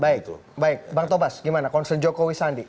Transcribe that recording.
baik bang tobas gimana konsen jokowi sandi